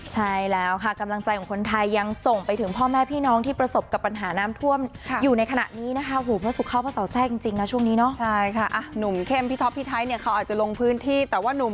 ใช่แล้วค่ะกำลังใจของคนไทยยังส่งไปถึงพ่อแม่พี่น้องที่ประสบกับปัญหาน้ำท่วมอยู่ในขณะนี้นะคะพระเสาแทรกจริงนะช่วงนี้เนาะใช่ค่ะหนุ่มเข้มพี่ท็อปพี่ไทยเนี่ยเขาอาจจะลงพื้นที่แต่ว่านุ่ม